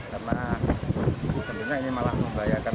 karena ini malah membahayakan